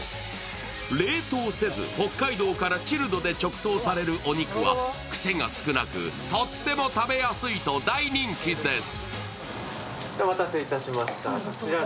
冷凍せず、北海道からチルドで直送されるお肉はくせが少なく、とっても食べやすいと大人気です。